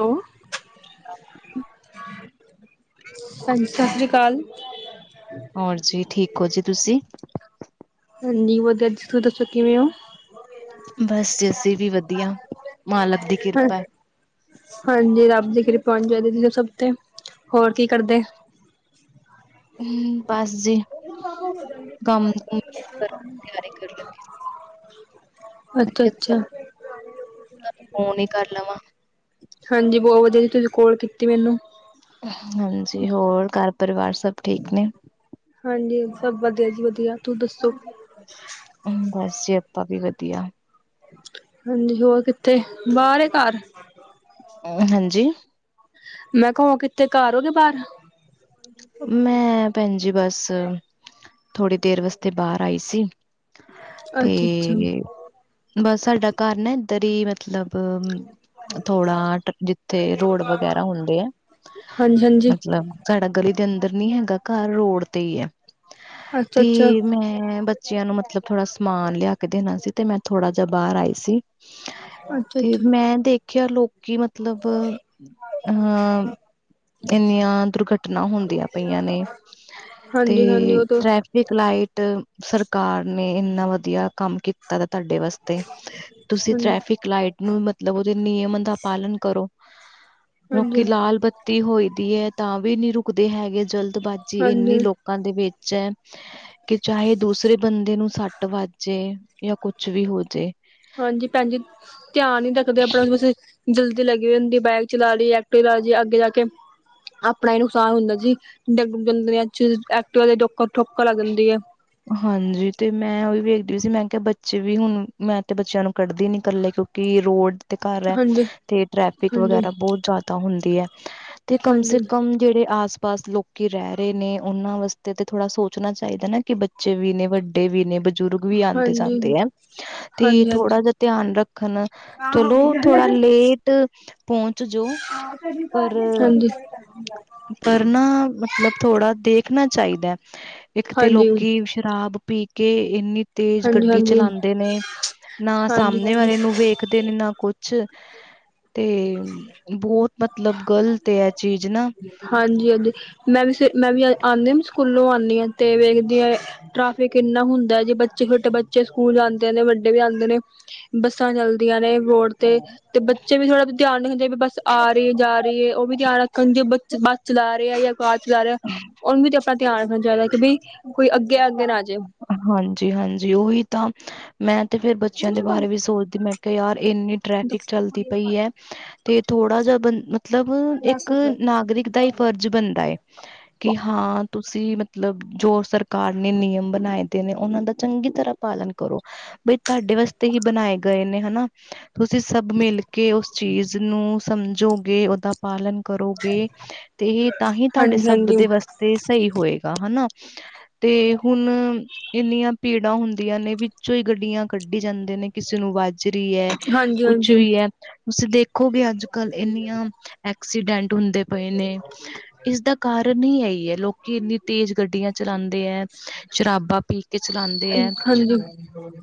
ਹਾਂਜੀ, ਸਤਿ ਸ੍ਰੀ ਅਕਾਲ ਹੋਰ ਜੀ, ਠੀਕ ਹੋ ਜੀ ਤੁਸੀਂ ਹਾਂਜੀ, ਵਧੀਆ ਜਿਸ ਤੂੰ ਦੱਸੋ ਕਿਵੇਂ ਉ। ਬਸ ਜਸੀੇ ਵੀ ਵਧੀਆ ਮਾਲਵ ਦੀ ਕਿਰਪਾ ਏ। ਹਾਂਜੀ, ਰੱਬ ਦੀ ਕਰੀਬ ਹੋਨੀ ਚੀਦੀ, ਸਭ ਤੇ ਹੋਰ ਕੀ ਕਰਦੇ ਹੂੰ, ਬਸ ਜੀ। ਕੰਮ ਕੁਮ ਕਰਨ ਦੀ ਤਿਆਰੀ ਕਰ ਲੱਗੀ [inaudible] ਮੈਂ ਅੱਛਾ, ਕਿਹਾ ਚੱਲ ਅੱਛਾ। ਤੁਹਾਨੂੰ ਫੋਨ ਹੀ ਕਰ ਲਵਾਂ। ਹਾਂਜੀ, ਬਹੁਤ ਵਧੀਆ ਜੀ ਤੁਸੀਂ ਕੋਲ ਕੀਤੀ ਮੈਨੂੰ ਹਾਂਜੀ, ਹੋਰ ਘਰ ਪਰਿਵਾਰ ਸਭ ਠੀਕ ਨੇ ਹਾਂਜੀ ਸਭ ਵਧੀਆ ਜੀ ਵਧੀਆ ਤੂੰ ਦੱਸੋ ਹੂੰ, ਬਸ ਜੀ ਆਪਾਂ ਵੀ ਵਧੀਆ। ਹਾਂਜੀ, ਹੋਰ ਕਿੱਥੇ ਬਾਹਰ ਏ ਘਰ ਹਾਂਜੀ। ਮੈਂ ਕਿਹਾ ਹੁਣ ਕਿੱਥੇ ਘਰ ਹੋ ਕੇ ਬਾਹਰ ਮੈਂ ਭੈਣ ਜੀ ਬਸ ਥੋੜ੍ਹੀ ਦੇਰ ਵਾਸਤੇ ਬਾਹਰ ਆਈ ਸੀ। ਅੱਛਾ-ਅੱਛਾ, ਤੇ ਬਸ ਸਾਡਾ ਘਰ ਨਾ ਇੱਧਰ ਹੀ ਮਤਲਬ ਥੋੜਾ ਜਿੱਥੇ ਰੋਡ ਵਗੈਰਾ ਹੁੰਦੇ ਆ, ਹਾਂਜੀ-ਹਾਂਜੀ, ਮਤਲਬ ਸਾਡਾ ਗਲੀ ਦੇ ਅੰਦਰ ਨੀ ਹੈਗਾ ਘਰ ਰੋਡ ਤੇ ਹੀ ਹੈ, ਤੇ ਅੱਛਾ-ਅੱਛਾ, ਮੈਂ ਬ ਬੱਚੀਆਂ ਨੂੰ ਮਤਲਬ ਥੋੜਾ ਸਮਾਨ ਲਿਆ ਕੇ ਦੇਣਾ ਸੀ, ਤੇ ਮੈਂ ਥੋੜਾ ਜਿਹਾ ਬਾਹਰ ਆਈ ਸੀ। ਤੇ ਅੱਛਾ-ਅੱਛਾ। ਮੈਂ ਦੇਖਿਆ ਲੋਕੀ ਮਤਲਬ ਅਹ ਇੰਨੀਆਂ ਦੁਰਘਟਨਾ ਹੁੰਦੀਆਂ ਪਈਆਂ ਨੇ, ਤੇ ਹਾਂਜੀ-ਹਾਂਜੀ ਉਹ ਤਾਂ, ਟਰੈਫਿਕ ਲਾਈਟ ਸਰਕਾਰ ਨੇ ਇੰਨਾ ਵਧੀਆ ਕੰਮ ਕੀਤਾ ਦਾ ਤੁਹਾਡੇ ਵਾਸਤੇ ਤੇ ਤੁਸੀਂ ਹਾਂਜੀ, ਟ੍ਰੈਫਿਕ ਲਾਈਟ ਨੂੰ ਮਤਲਬ ਉਹਦੇ ਨਿਯਮ ਦਾ ਪਾਲਣ ਕਰੋ। ਹਾਂਜੀ, ਲੋਕੀ ਲਾਲ ਬਤੀ ਹੋਈ ਦੀ ਹੈ ਤਾਂ ਵੀ ਨੀ ਰੁਕਦੇ ਹੈਗੇ, ਜਲਦਬਾਜ਼ੀ ਹਾਂਜੀ। ਇੰਨੀ ਲੋਕਾਂ ਦੇ ਵਿੱਚ ਏ। ਕਿ ਚਾਹੇ ਦੂਸਰੇ ਬੰਦੇ ਨੂੰ ਸੱਟ ਵੱਜਜੇ ਯਾ ਕੁਛ ਵੀ ਹੋਜੇ ਹਾਂਜੀ ਭੈਣ ਜੀ ਧਿਆਨ ਨੀ ਰੱਖਦੇ ਆਪਣਾ ਜਲਦੀ ਲੱਗੀ ਹੁੰਦੀ, ਬਾਈਕ ਚਲਾ ਲਈ ਐਕਟਿਵਾ ਚਲਾ ਲਈਏ ਅੱਗੇ ਜਾ ਕੇ ਆਪਣਾ ਹੀ ਨੁਕਸਾਨ ਹੁੰਦਾ ਜੀ [unintelligible] ਚ ਐਕਟਿਵਾ ਠੋਕਰ ਲੱਗ ਜਾਂਦੀ ਹੈ। ਹਾਂਜੀ, ਤੇ ਮੈਂ ਉਹੀ ਵੇਖਦੀ ਸੀ ਮੈਂ ਕਿਹਾ ਬੱਚੇ ਵੀ ਹੁਣ ਮੈਂ ਤੇ ਬੱਚਿਆਂ ਨੂੰ ਕੱਢਦੀ ਨੀ ਇਕੱਲੇ ਕਿਉਂਕਿ ਕਿ ਰੋਡ ਤੇ ਘਰ ਐ ਹਾਂਜੀ ਤੇ ਟ੍ਰੈਫਿਕ ਹਾਂਜੀ ਵਗੈਰਾ ਬਹੁਤ ਜ਼ਿਆਦਾ ਹੁੰਦੀ ਐ। ਤੇ ਕਮ ਹਾਂਜੀ ਸੇ ਕਮ ਜਿਹੜੇ ਆਸ-ਪਾਸ ਲੋਕੀ ਰਹਿ ਰੇ ਨੇ, ਉਹਨਾਂ ਵਾਸਤੇ ਤੇ ਥੋੜਾ ਸੋਚ ਸੋਚਣਾ ਚਾਹੀਦਾ ਨਾ, ਕਿ ਬੱਚੇ ਵੀ ਨੇ, ਵੱਡੇ ਵੀ ਨੇ ਬ ਬਜ਼ੁਰਗ ਵੀ ਹਾਂਜੀ ਹਾਂਜੀ ਆਂਦੇ-ਜਾਂਦੇ ਐ ਤੇ ਹਾਂਜੀ ਥੋੜ੍ਹਾ ਹਾਂਜੀ ਉਹਦਾ ਧਿਆਨ ਰੱਖਣ। ਚਲੋ ਥੋੜਾ ਲੇ ਟ ਪਹੁੰਚ ਜੋੋ, ਹਾਂਜੀ ਹਾਂਜੀ ਪਰ-ਪਰ ਨਾ ਮਤਲਬ ਥੋੜ੍ਹਾ ਦੇਖਣਾ ਚਾਹੀਦਾ। ਇੱਕ ਤੇ ਲੋਕੀ ਸ਼ਰਾਬ ਪੀ ਕੇ ਇੰਨੀ ਤੇਜ਼ ਹਾਂਜੀ ਗੱਡੀ ਚਲਾਂਦੇ ਨੇ। ਨਾ ਹਾਂਜੀ ਸਾਹਮਣੇ ਹਾਂਜੀ ਵਾਲੇ ਨੂੰ ਵੇਖਦੇ ਨੇ, ਨਾ ਕੁਛ ਕੁਛ ਤੇ ਬਹੁਤ ਮਤਲਬ ਗਲਤ ਏ, ਐਹ ਚੀਜ਼ ਨਾ। ਹਾਂਜੀ-ਹਾਂਜੀ ਮੈਂ ਵੀ, ਮੈਂ ਵੀ ਆਂਨੀ ਆ ਨਾ, ਸਕੂਲੋਂ ਆਨੀਂ ਆ ਤੇ ਵੇਖਦੀ ਆ ਟ੍ਰੈਫਿਕ ਇੰਨਾ ਹੁੰਦਾ। ਜੇ ਬੱਚੇ ਛੋਟੇ ਬੱਚੇ ਸਕੂਲ ਆਦੇ ਨੇ, ਵੱਡੇ ਵੀ ਆਂਦੇ ਨੇ ਬੱਸਾਂ ਚਲਦੀਆਂ ਨੇ ਰੋਡ ਤੇ। ਤੇ ਬੱਚੇ ਵੀ ਥੋੜਾ ਧਿਆਨ ਨੀ ਹੁੰਦੇ, ਵੀ ਬੱਸ ਆ ਰਹੀ ਏ ਜਾ ਰਹੀ ਏ, ਉਹ ਵੀ ਧਿਆਨ ਰੱਖਣ। ਜੇ ਬੱਚ ਚਲਾ ਰਿਹਾ ਜਾਂ ਕਾਰ ਚਲਾ ਰਿਹਾ। ਉਹਨੂੰ ਵੀ ਤੇ ਆਪਣਾ ਧਿਆਨ ਰੱਖਣਾ ਚਾਹੀਦਾ, ਕਿ ਬਈ ਕੋਈ ਅੱਗੇ ਆ ਅੱਗੇ ਨਾ ਆਜੇ। ਹਾਂਜੀ-ਹਾਂਜੀ, ਉਹੀ ਤਾਂ ਮੈਂ ਤੇ ਫੇਰ ਬੱਚਿਆਂ ਦੇ ਬਾਰੇ ਵੀ ਸੋਚਦੀ, ਮੈਂ ਕਿ ਯਾਰ ਏਂਨੀ ਟ੍ਰੈਫਿਕ ਚੱਲਦੀ ਪਈ ਐ ਤੇ ਥੋੜ੍ਹਾ ਜਿਹਾ ਬੰ ਮਤਲਬ ਇੱਕ ਨਾਗਰਿਕ ਦਾ ਈ ਫਰਜ਼ ਬਣਦਾ ਏ ਕਿ ਹਾਂ ਤੁਸੀਂ ਮਤਲਬ ਜੋ ਸਰ ਕਾਰ ਨੇ ਨਿਯਮ ਬਣਾਏ ਦੇ ਨੇ, ਉਹਨਾਂ ਦਾ ਚੰਗੀ ਤਰ੍ਹਾਂ ਪਾਲਣ ਕਰੋ। ਬਈ, ਤਾਹਡੇ ਵਾਸਤੇ ਹੀ ਬਣਾਏ ਗਏ ਨੇ ਹਨਾ। ਤੁਸੀਂ ਸਭ ਮਿਲ ਕੇ ਉਸ ਚੀਜ਼ ਨੂੰ ਸਮਝੋਗੇ, ਓਦਾ ਪਾਲਣ ਕਰੋਗੇ ਤੇ ਇਹ ਤਾਂ ਹੀ ਤੁਹਾਡੇ ਹਾਂਜੀ ਸਭ ਹਾਂਜੀ ਦੇ ਵਸ ਤੇ ਸਹੀ ਹੋਏਗਾ ਹਨਾ। ਤੇ ਹੁਣ ਇੰਨੀਆਂ ਭੀੜਾਂ ਹੁੰਦੀਆਂ ਨੇ, ਵਿੱਚੋਂ ਈ ਗੱਡੀਆਂ ਕੱਢੀ ਜਾਂਦੇ ਨੇ। ਕਿਸੇ ਨੂੰ ਵਜ ਰੀ ਐ, ਹਾਂਜੀ ਕੁਛ ਹਾਂਜੀ ਵੀ ਐ। ਤੁਸੀਂ ਦੇਖੋਗੇ ਅੱਜ-ਕੱਲ੍ਹ ਇੰਨੀਆਂ ਐਕ ਐਕਸੀਡੈਂਟ ਹੁੰਦੇ ਪਏ ਨੇ ਇਸਦਾ ਕਾਰਨ ਈ ਐਈ ਏ, ਲੋਕੀ ਇੰਨੀ ਤੇਜ਼ ਗੱਡੀਆਂ ਚਲਾਂਦੇ ਐ, ਸ਼ਰਾਬਾ ਪੀ ਕੇ ਚਲਾਉਂਦੇ ਹੈ। ਹਾਂਜੀ-ਹਾਂਜੀ,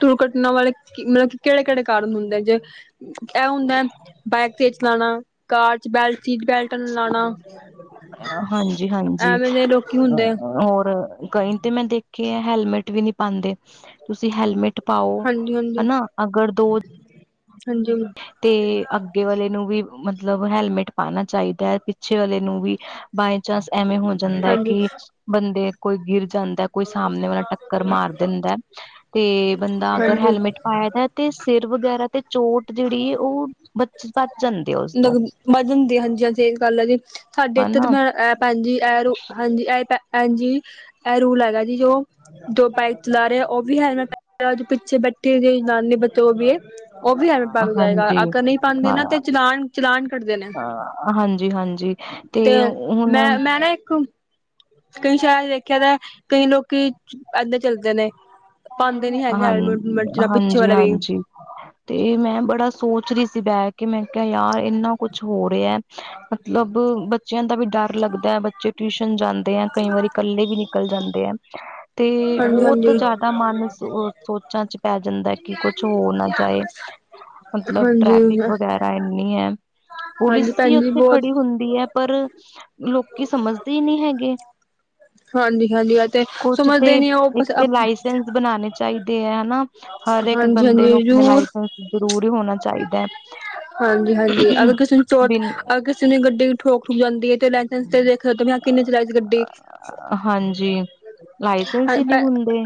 ਦੁਰਘਟਨਾ ਵਾਲੇ ਮਤਲਬ ਕੀ ਕਿਹੜੇ-ਕਿਹੜੇ ਕਾਰਨ ਹੁੰਦੇ ਜੇ ਇਹ ਹੁੰਦਾ ਬਾਈਕ ਤੇਜ਼ ਚਲਾਣਾ, ਕਾਰ 'ਚ ਬੈਲਟ, ਸੀਟ ਬੈਲਟ ਨਾ ਲਾਂਣਾ। ਐਵੇਂ ਦੇ ਲੋਕੀ ਹੁੰਦੇ ਔਰ ਕਈ ਤੇ ਮੈਂ ਦੇਖੇ ਐ, ਹੈਲਮੇਟ ਵੀ ਨੀ ਪਾਂਦੇ। ਤੁਸੀਂ ਹੈਲਮੇਟ ਪਾਓ ਹਨਾ। ਅਗਰ ਦੋ ਹਾਂਜੀ। ਤੇ ਅੱਗੇ ਵਾਲੇ ਨੂੰ ਵੀ ਮਤਲਬ ਹੈਲਮੇਟ ਪਾਣਾ ਚਾਹੀਦਾ, ਪਿੱਛੇ ਵਾਲੇ ਨੂੰ ਵੀ ਬਾਏ ਚਾਂਸ ਐਵੇਂ ਹੋ ਜਾਂਦਾ ਐ ਕਿ ਹਾਂਜੀ-ਹਾਂਜੀ-ਹਾਂਜੀ ਬੰਦੇ ਕੋਈ ਗਿਰ ਜਾਂਦਾ, ਕੋਈ ਸਾਹਮਣੇ ਵਾਲਾ ਟੱਕਰ ਮਾਰ ਦਿੰਦਾ ਤੇ ਬੰਦਾ ਅਗਰ ਹੈਲਮੇਟ ਪਾਇਆ ਦਾ ਤੇ ਸਿਰ ਵਗੈਰਾ ਤੇ ਚੋਟ ਜਿਹੜੀ ਏ ਉਹ [inaudible] ਬੱਚ ਜਾਂਦੇ, ਹਾਂਜੀ-ਹਾਂਜੀ ਸਹੀ ਗੱਲ ਐ ਜੀ। ਸਾਡੇ ਇੱਥੇ ਤਾਂ ਹਨਾ ਮੈਂ ਭੈਣ ਜੀ, ਇਹ ਰੋ ਹਾਂਜੀ ਇਹ ਭੈਣ ਜੀ, ਐਹ ਰੂਲ ਹੈਗਾ ਜੀ ਜੋ, ਜੋ ਬਾਈਕ ਚਲਾ ਰਿਹਾ ਉਹ ਵੀ ਹੈਲਮੇਟ ਤੇ ਆ ਜੋ ਪਿੱਛੇ ਬੈਠੇ ਹੋ ਨਾਨੀ ਬੱਚੇ ਉਹ ਵੀ ਏ, ਉਹ ਵੀ ਹੈਲਮੇਟ ਪਾਕੇ ਜਾਏਗਾ। ਹਾਂਜੀ ਅਗਰ ਨਹੀਂ ਹਾਂ ਚਲਾਣ-ਚਲਾਣ ਕੱਟ ਦੇਨਾਂ। ਅ ਹਾਂਜੀ ਹਾਂਜੀ ਤੇ ਹੁਣ ਮੈਂ-ਮੈਂ ਨਾ ਇੱਕ ਕਈ ਸ਼ਹਿਰਾ 'ਚ ਦੇਖਿਆ ਦਾ, ਕਈ ਲੋਕੀ ਐਦਾਂ ਚੱਲਦੇ ਨੇ। ਪਾਂਦੇ ਨੀ ਹੈਗੇ ਹਾਂ ਹੈਲਮੇਟ [unintelligible] ਪਿੱਛੇ ਹਾਂਜੀ ਵਾਲਾ ਵੀ। ਹਾਂਜੀ ਤੇ ਮੈਂ ਬੜਾ ਸੋਚ ਰੀ ਸੀ, ਬੈ ਕੇ ਮੈਂ ਕਿਆ ਯਾਰ ਇੰਨਾ ਕੁਛ ਹੋ ਰਿਆ ਮਤਲਬ ਬੱਚਿਆਂ ਦਾ ਵੀ ਡਰ ਲੱਗਦਾ, ਬੱਚੇ ਟਿਊਸ਼ਨ ਜਾਂ ਤੇ ਕਈ ਵਾਰੀ ਕੱਲੇ ਵੀ ਨਿਕਲ ਜਾਂਦੇ ਆ ਤੇ ਹਾਂਜੀ ਬੋਤ ਹਾਂਜੀ ਜਾ ਮਨ ਸੋਚਾਂ 'ਚ ਪੈ ਜਾਂਦਾ ਕਿ ਕੁਛ ਹੋ ਨਾ ਜਾਏ। ਮਤਲਬ ਹਾਂਜੀ ਟ੍ਰੈਫਿਕ ਵਗੈਰਾ ਇੰਨੀ ਐ, ਪੁਲਿਸ ਹਾਂਜੀ ਵੀ ਭੈਣ ਜੀ ਉੱਥੇ ਬਹੁਤ ਖੜੀ ਹੁ ਹੁੰਦੀ ਐ ਪਰ ਲੋ ਕੀ ਸਮਝਦੇ ਈ ਨੀ ਹੈਗੇ ਹਾਂਜੀ ਹਾਂਜੀ ਤੇ ਕੁਛ ਤੇ ਸਮਝਦੇ ਨੀ ਉਹ ਇੱਕ ਤੇ ਲਾਈ ਹਾਂਜੀ [unintelligible] ਬਣਾਨੇ ਚਾਈਦੇ ਆ ਹੈਨਾ, ਹਰ ਇੱਕ ਬੰਦੇ ਨੂੰ ਹਾਂਜੀ ਆਪਨੇ ਜ਼ਰੂਰ ਲਾਇਸੈਂਸ ਜ਼ਰੂਰੀ ਹੋਨਾ ਚਾਈਦਾ। ਹਾਂਜੀ-ਹਾਂਜੀ, ਅਗਰ ਕਿਸੇ ਨੂੰ ਟੋਟ, ਬਿਨ ਅਗਰ ਕਿਸੇ ਨੇ ਗੱਡੀ ਠੋਕ-ਠੁਕ ਜਾਂਦੀ ਏ ਤੇ ਲੈ [unintelligible] ਕਿੰਨੇ ਚਲਾਈ ਸੀ ਗੱਡੀ। ਲਾਇਸਨਸ ਈ ਨੀ ਹੁੰਦੇ।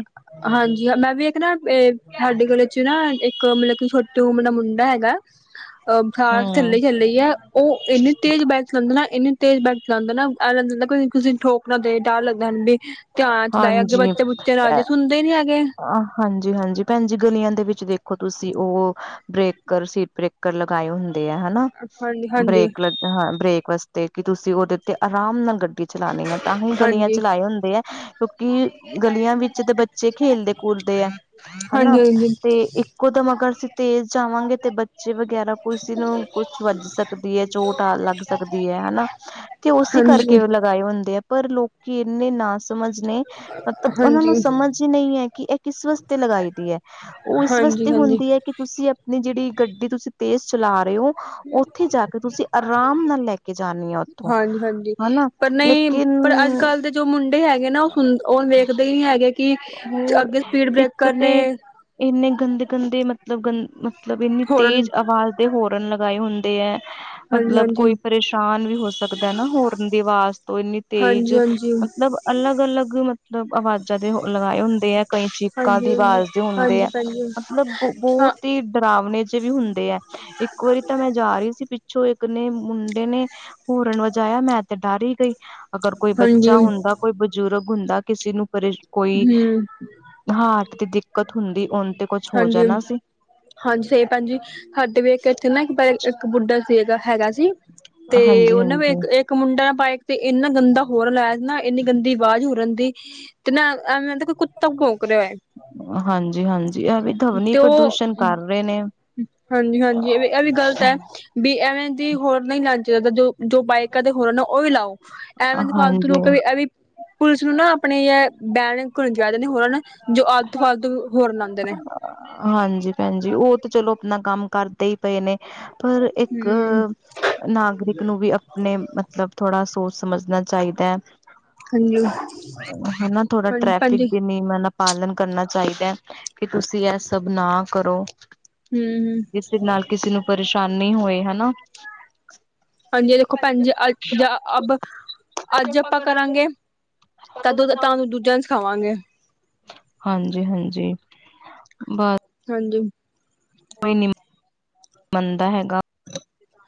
ਹਾਂਜੀ ਜੀ ਹਾਂ, ਮੈਂ ਵੀ ਇੱਕ ਨਾ ਏ ਸਾਡੇ ਗਲੀ 'ਚ ਨਾ ਇੱਕ ਮਤਲਬ, ਕਿ ਛੋਟੀ ਉਮਰ ਦਾ ਮੁੰਡਾ ਹੈਗਾ। ਅ ਖਾਸ ਹਮ ਥੱਲੇ-ਥੱਲੇ ਆ, ਔ ਇੰਨੀੇ ਤੇਜ਼ ਬੈਕ ਚਲਾਂਦੇ ਨਾ ਏਨੀੇ ਤੇਜ਼ ਬੈਠ ਚਲਾਂਦੇ ਨਾ ਐ ਲਗਦਾ ਕਿਸੀ ਨੂੰ ਠੋਕ ਨਾ ਦੇ ਡਰ ਲੱਗਦਾ ਹਨ ਵੀ। ਧਿਆਨ 'ਚ ਦਾਏ ਅੱਗੇ ਹਾਂਜੀ। ਬੱਚੇ-ਬੁੱਚੇ ਆਜੇ ਸੁਨਦੇ ਨੀ ਹੈਗੇ। ਹਾਂਜੀ-ਹਾਂਜੀ, ਭੈਨਜੀ ਗਲੀਆਂ ਦੇ ਵਿੱਚ ਦੇਖੋ ਤੁਸੀਂ ਔ ਬ੍ਰੇਕਰ-ਸੀਟ ਬ੍ਰੇਕ ਕਰ ਲਗਾਏ ਹੁੰਦੇ ਆ ਹੈਨਾ। ਹਾਂਜੀ ਹਾਂਜੀ ਬ੍ਰੇਕ ਲੱ ਹਾਂ, ਬ੍ਰੇਕ ਵਾਸਤੇ ਕਿ ਤੁਸੀਂ ਉਦੇ ਤੇ ਆਰਾਮ ਨਾਲ ਗੱਡੀ ਚਲਾਨੀ ਐ। ਤਾਂ ਹੀ ਗਲੀਆਂ 'ਚ ਹਾਂਜੀ ਲਾਏ ਹੁੰਦੇ ਐ ਕਿਉਂਕਿ ਗਲੀਆਂ ਵਿੱਚ ਤਾਂ ਬੱਚੇ ਖੇਲਦੇ ਕੁਲਦੇ ਐ। ਹੈਨਾ। ਹਾਂਜੀ ਹਾਂਜੀ ਤੇ ਇੱਕੋ ਦਮ ਅਗਰ ਅਸੀਂ ਤੇਜ਼ ਜਾਵਾਂਗੇ ਤੇ ਬੱਚੇ ਵਗੈਰਾ ਕਿਸੀ ਨੂੰ ਕੁ ਵੱਜ ਸਕਦੀ ਐ, ਚੋਟ ਆ ਲੱਗ ਸਕਦੀ ਏ ਐਨਾ। ਹਾਂਜੀ। ਲਗਾਏ ਹੁੰਦੇ ਆ ਪਰ ਲੋਕੀ ਇੰਨੇ ਨਾ ਸਮਝ ਨੇ ਮਤਲਬ ਉਨਾਂ ਨੂੰ ਸਮਝ ਈ ਨਈ ਏ ਕਿ ਐ ਕਿਸ ਵਸਤੇ ਲਗਾਈ ਦੀ ਐ। ਔ ਇਸ ਹਾਂਜੀ ਵਾਸਤੇ ਹਾਂਜੀ ਹੁੰਦੀ ਏ ਕਿ ਤੁਸੀਂ ਆਪਣੀ ਜੇੜੀ ਗੱਡੀ ਤੁਸੀਂ ਤੇਜ਼ ਚਲਾ ਰੇ ਔ ਉੱਥੇ ਜਾ ਕੇ ਤੁਸੀਂ ਆਰਾਮ ਨਾਲ ਲੈ ਕੇ ਜਾਨੀ ਆ ਉੱਥੋਂ ਹਾਂਜੀ ਹਾਂਜੀ ਹਨਾ। ਪਰ ਨਈ ਲੇਕਿਨ ਪਰ ਅੱਜ ਕੱਲ੍ਹ ਦੇ ਜੋ ਮੁੰਡੇ ਹੈਗੇ ਨਾ ਔ ਸੁਨ ਔ ਵੇਖਦੇ ਹੀ ਨੀ ਹੈਗੇ। ਕਿ ਹੋਰ ਅੱਗੇ ਸਪੀਡ ਇੱਕ ਬ੍ਰੇਕਰ ਤੇ ਨੇ। ਇੰਨੇ ਗੰਦੇ-ਗੰਦੇ ਮਤਲਬ ਗੰ ਮ ਤਲਬ ਇੰਨੀ ਹੋਰਨ ਤੇਜ਼ ਆਵਾਜ਼ ਦੇ ਹੋਰਨ ਲਗਾਏ ਹੁੰਦੇ ਐ। ਹਾਂਜੀ ਮਤਲਬ ਹਾਂਜੀ ਕੋਈ ਪਰੇਸ਼ਾਨ ਵੀ ਹੋ ਸਕਦਾ ਨਾ ਹੋਰਨ ਦੀ ਆਵਾਜ਼ ਤੋਂ ਇੰਨੀ ਤੇਜ ਹਾਂਜੀ ਹਾਂਜੀ ਹਾਂਜੀ ਮਤਲਬ ਅਲੱਗ-ਅਲੱਗ ਮਤਲਬ ਆਵਾਜ਼ਾਂ ਦੇ ਹੋ ਲਗਾਏ ਹੁੰਦੇ ਐ। ਕਈ ਚੀਕਾਂ ਦੀ ਹਾਂਜੀ ਆਵਾਜ਼ ਦੇ ਹੁੰਦੇ ਐ, ਹਾਂਜੀ ਭੈਣਜੀ ਮਤਲਬ ਹਾਂ ਬੋਤ ਈ ਡਰਾਵਨੇ ਜੇਵੀ ਹੁੰਦੇ ਐ। ਇੱਕ ਵਾਰੀ ਤਾਂ ਮੈਂ ਜਾ ਰੀਸੀ ਪਿੱਛੋਂ ਇੱ ਕ ਨੇ ਮੁੰਡੇ ਨੇ ਹੋਰਨ ਵਜਾਇਆ, ਮੈਂ ਤੇ ਡਰ ਈ ਗਈ ਅਗਰ ਕੋਈ ਹਾਂਜੀ ਬੱਚਾ ਹਮ ਹੁੰਦਾ ਕੋਈ ਬਜ਼ੁਰਗ ਉਦਾਂ ਕਿਸੇ ਨੂੰ ਪਰੇਸ਼ ਕੋਈ ਹਾਰਟ ਦੀ ਦਿੱਕਤ ਹੁੰਦੀ ਉਨ ਤੇ ਕੁਛ ਹੋ ਹਾਂਜੀ ਜਾਣਾ ਸੀ। ਹਾਂਜੀ, ਸਈ ਭੈਨਜੀ ਸਾਡੇ ਵੀ ਇੱਕ ਇੱਥੇ ਨਾ ਇੱਕ-ਇੱਕ ਬੁੱਢਾ ਸੀ ਹੈਗਾ ਸੀ। ਤੇ ਉਨੂ ਵੀ ਹਾਂਜੀ-ਹਾਂਜੀ। ਇੱਕ-ਇਕ ਕ ਮੁੰਡਾ ਬਾਇਕ ਤੇ ਐਨਾ ਗੰਦਾ ਹੋਰਨ ਲਾਇਆ ਨਾ ਐਨੀ ਗੰਦੀ ਆਵਾਜ਼ ਹੋਰਨ ਦੀ ਤੇ ਨਾ ਅ ਐਵੇ ਤਾਂ ਕੋਈ ਕੁੱਤਾ ਭੋਕ ਰੇਆ ਉਏ। ਹਾਂਜੀ-ਹਾਂਜੀ ਐਵੀ ਧਵਨੀ ਪ੍ਰਦੂਸ਼ਣ ਕਰ ਰੇ ਨੇ। ਹਾਂਜੀ-ਹਾਂਜੀ, ਏਹ ਵੀ ਗ਼ਲਤ ਹੈ ਬੀ ਐਵੇਂ ਦੀ ਹੋਰ ਨਹੀਂ ਲਾਨ ਚਾਈਦਾ ਜੋ ਜੋ ਬਾਈਕਾਂ ਦੇ ਹੋਰਨ ਨਾ ਓਹ ਵੀ ਲਾਓ। ਐਵੇਂ ਨੀ ਫਾਲਤੂ ਹਾਂਜੀ ਲੋਕਾਂ ਦੀ ਐਹ ਵੀ ਪੁਲਿਸ ਨੂੰ ਨਾ ਆਪਣੇ ਐ ਬੈਰਿੰਗ ਖੁਲ ਜਾਰੇ ਨੇ ਹੋਰ ਨਾ ਜੋ ਆਲਤੂ ਫਾਲਤੂ ਹੋਰ ਲਾਂਦੇ ਨੇ ਹਾਂਜੀ ਭੈਣਜੀ ਓਹ ਤੇ ਚਲੋ ਅਪਨਾ ਕੰਮ ਕਰਦੇ ਹੀ ਪਏ ਨੇ ਪਰ ਇੱਕ ਹਮ ਨਾਗਰਿਕ ਨੂੰ ਵੀ ਅਪਣੇ ਮਤਲਬ ਥੋੜ੍ਹਾ ਸੋਚ ਸਮਝਣਾ ਚਾਹੀਦੈ। ਹਾਂਜੀ ਹਨਾ ਥੋੜਾ ਟ੍ਰੈਫਿਕ ਹਾਂਜੀ ਬੀ ਨਈ ਯਮ ਦਾ ਪਾਲਣ ਕਰਨਾ ਚਾਹੀਦੈ ਕਿ ਤੁਸੀਂ ਐਹ ਸਭ ਨਾ ਕਰੋ ਹਮ ਹਮ ਜਿਸਦੇ ਨਾਲ ਕਿਸੀ ਨੂੰ ਪਰੇਸ਼ਾਨੀ ਹੋਏ, ਹਨਾ ਹਾਂਜੀ, ਦੇਖੋ ਭੈਣਜੀ ਅੱਜ ਅਬ ਅੱਜ ਅਪਾਂ ਕਰਾਂਗੇ ਕਦੋਂ ਦੇ ਥਾਂ ਤੁਹਾਨੂੰ ਦੂਜਾ ਸਖਾਵਾਂਗੇ ਹਾਂਜੀ-ਹਾਂਜੀ। ਬਾ ਹਾਂਜੀ ਕੋਈ ਨੀ ਮੰਨਦਾ ਹੈਗਾ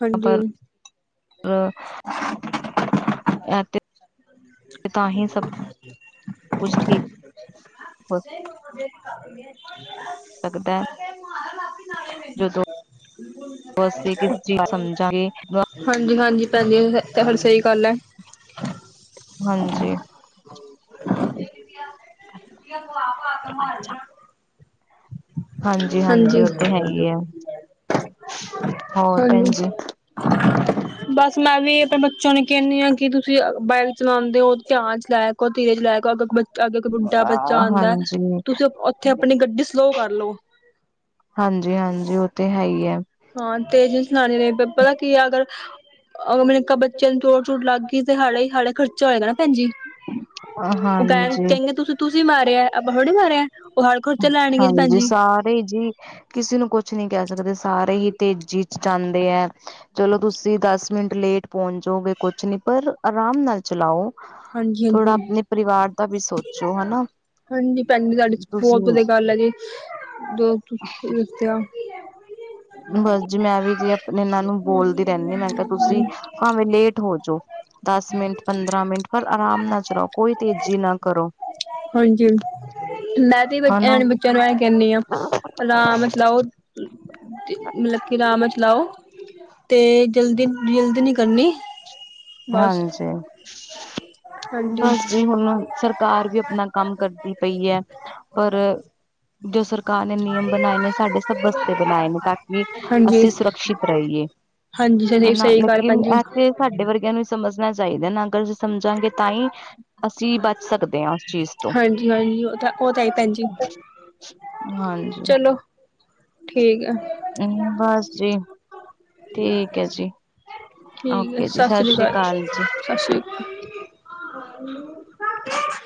ਹਾਂਜੀ ਪਰ--ਰ ਐ ਤੇ ਤਾਂ ਹੀ ਸਭ ਕੁਛ ਠੀਕ ਹੋ [unintelligible] ਸਕਦੈ ਜਦੋਂ ਅਸੀਂ ਕਿਸ ਚੀਜ਼ [inaudible] ਸਮਝਾਂਗੇ ਵਕਤ ਹਾਂਜੀ ਹਾਂਜੀ ਭੈਣ ਜੀ ਤੁਹਾਡੀ ਸਹੀ ਗੱਲ ਹੈ ਹਾਂਜੀ ਅੱਛਾ ਹਾਂਜੀ, ਉਹ ਤੇ ਹੈ ਹੀ ਹੈ ਹੋਰ ਭੈਣ ਹਾਂਜੀ ਜੀ ਬਸ ਮੈਂ ਵੀੈਂ ਅਪਨਾ ਸਾਨੂੰ ਕੈਨੇ ਆ ਕਿ ਤੁਸੀਂ ਬਾਈਕ ਚਲਾਂਦੇ ਓ ਧਿਆਨ ਚਲਾਯ ਕਰ ਧੀਰੇ ਚਲਾਯ ਕਰ [unintelligible] ਤੁਵਾਡੇ ਅਗੇ ਕੋਈ ਬੁੱਢਾ ਬੱਚਾ ਆਂਦੈ, ਹਾਂਜੀ। ਤੁਸੀਂ ਓਥੇ ਆਪਣੀ ਗੱਡੀ ਸਲੋਅ ਕਰ ਲਓ। ਹਾਂਜੀ-ਹਾਂਜੀ, ਓਹ ਤੇ ਹੈ ਈ ਐ। ਹਾਂ, ਤੇ ਜੇ ਚਲਾਣੀ ਏ ਤੇ ਪਤਾ ਕੀ ਐ ਅਗਰ, ਅਗਰ ਮੈ ਕਿਆ ਬੱਚਿਆਂ ਨੂੰ ਚੋਟ ਚੋਟ ਲੱਗ ਗਈ ਤੇ ਹਲੇ, ਹਲੇ ਖਰਚਾ ਹੋਏਗਾ ਨਾ ਭੈਣਜੀ। ਓਹ ਕੈਨ ਹਾਂਜੀ। ਕੈਨਗੇ ਤੁਸੀਂ ਤੁਸੀਂ ਮਾਰਿਐ, ਆਪਾਂ ਥੋੜੀ ਮਾਰਿਐ। ਓਹ ਹਰ ਖਰਚਾ ਲੈਣਗੇ ਜੀ ਭੈਨਜੀ। ਆਪੇ ਜੀ ਕਿਸੀ ਨੂੰ ਕੁਛ ਨਈ ਕੈ ਸਕਦੇ। ਸਾਰੇ ਈ ਤੇਜ਼ੀ ਚ ਜਾਂਦੇ ਐ। ਚਲੋ ਤੁਸੀਂ ਦਸ ਮਿੰਟ ਲੇਟ ਪੋਂਚ ਜਾਓਗੇ ਕੁਛ ਨੀ, ਪਰ ਅਰਾਮ ਨਾਲ ਚਲਾਓ, ਹਾਂਜੀ ਥੋੜਾ ਹਾਂਜੀ ਆਪਨੇ ਪਰਿਵਾਰ ਦਾ ਵੀ ਸੋਚੋ, ਹਨਾ। ਹਾਂਜੀ, ਭੈਨਜੀ ਤਾਡੇ ਚ ਬੋਤ ਤੁਸੀਂ ਵਧੀਆ ਗੱਲ ਹੈ ਜੀ ਜੋ ਤੁਸੀ ਸੋਚਿਆ ਬਸ ਜੀ ਮੈਂ ਵੀ ਜੀ ਆਪਨੇ ਏਹਨਾਂ ਨੂੰ ਬੋਲਦੀ ਰਹੰਦੀ ਆਂ। ਮੈਂ ਕਿਹਾ ਤੁਸੀਂ ਭਾਵੇਂ ਲੇਟ ਹੋ ਜਾਓ ਦਁਸ ਮਿੰਟ ਪੰਦਰਾ ਮਿੰਟ ਪਰ ਆਰਾਮ ਨਾਲ ਚਲਾਓ, ਕੋਈ ਤੇਜੀ ਨਾ ਕਰੋ। ਮੈ ਵੀ ਜੀ ਹਨਾ ਐਂ ਬੱਚਯਾਂ ਨੂੰ ਐਂ ਕਹਨੀ ਆਂ ਅਰਾਮ ਨਾਲ ਚਲਾਓ। ਕੀ ਬੀ ਕੀ ਅਰਾਮ ਨਾਲ ਚਲਾਓ ਤੇ ਜਲਦੀ ਨ ਜਲਦੀ ਨਈ ਕਰਨੀ ਬਸ ਹਾਂਜੀ ਹਾਂਜੀ ਬਸ ਜੀ ਹੁਨ ਸਰਕਾਰ ਵੀ ਅਪਨਾ ਕੰਮ ਕਰਦੀ ਪਈ ਐ, ਪਰ ਜੋ ਸਰਕਾਰ ਨੇ ਨਿਯਮ ਬਨਾਏ ਨੇ ਸਾਡੇ ਸਬ ਵਸਤੇ ਬਨਾਏ ਨੇ ਤਾਕਿ ਅਸੀਂ ਹਾਂਜੀ। ਸੁਰਕਸ਼ਿਤ ਰਈਏ। ਹਾਂਜੀ ਸਹੀ ਹਨਾ ਸਹੀ ਗੱਲ ਲੇਕਿਨ ਭੈਣ ਜੀ ਆ ਤੇ ਸਾਡੇ ਵਰਗਿਆਂ ਨੂੰ ਹੀ ਸਮਝਣਾ ਚਾਹੀਦਾ ਨਾ ਕ ਸਮਝਾਂਗੇ ਤਾਹੀ ਅਸੀਂ ਬਚ ਸਕਦੇ ਆ ਉਸ ਚੀਜ਼ ਤੋਂ ਹਾਂਜੀ-ਹਾਂਜੀ ਹਾਂਜੀ, ਚਲੋ ਠੀਕ ਆ। ਹੂੰ, ਬਸ ਜੀ ਠੀਕ ਹੈ ਜੀ। ਠੀਕ ਹੈ ਓਕੇ ਜੀ, ਸਤਿ ਸ਼੍ਰੀ ਸ੍ਰੀ ਅਕਾਲ ਸਤਿ ਸ਼੍ਰੀ ਅਕਾਲ। ਹ